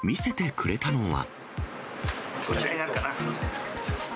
こちらになるかな。